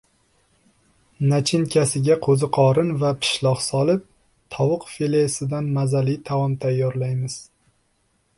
Nachinkasiga qo‘ziqorin va pishloq solib, tovuq filesidan mazali taom tayyorlaymiz